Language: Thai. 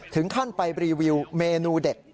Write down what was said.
ถึงขั้นไปรีวิวเมนูเด็ด